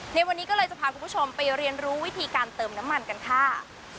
ในวันนี้ก็เลยจะพาคุณผู้ชมไปเรียนรู้วิธีการเติมน้ำมันกันค่ะ